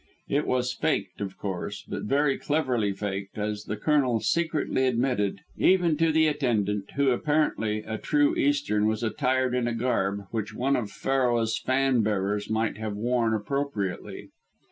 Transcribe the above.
It was faked, of course, but very cleverly faked, as the Colonel secretly admitted; even to the attendant, who, apparently a true Eastern, was attired in a garb which one of Pharaoh's fan bearers might have worn appropriately.